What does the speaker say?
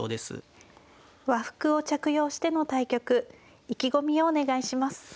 和服を着用しての対局意気込みをお願いします。